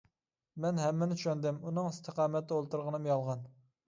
مەن ھەممىنى چۈشەندىم، ئۇنىڭ ئىستىقامەتتە ئولتۇرغىنىمۇ يالغان.